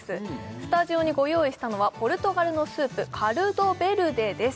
スタジオにご用意したのはポルトガルのスープカルド・ヴェルデです